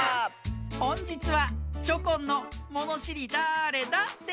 ほんじつはチョコンの「ものしりだれだ？」です。